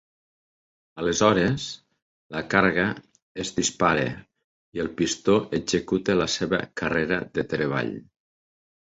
Aleshores, la càrrega es dispara i el pistó executa la seva carrera de treball.